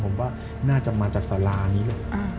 ผมว่าน่าจะมาจากสารานี้เลย